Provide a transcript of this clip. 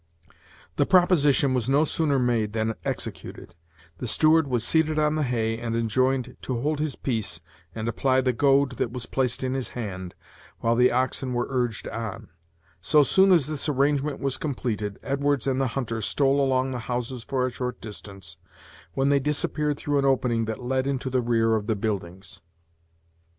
The proposition was no sooner made than executed. The steward was seated on the hay, and enjoined to hold his peace and apply the goad that was placed in his hand, while the oxen were urged on. So soon as this arrangement was completed, Edwards and the hunter stole along the houses for a short distance, when they disappeared through an opening that led into the rear of the buildings.